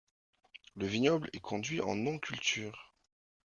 Le vignoble est conduit en non culture.